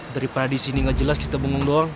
daripada di sini nggak jelas kita bengong doang